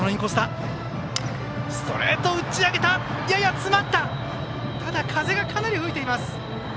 ストレートやや詰まったがただ、風がかなり吹いています。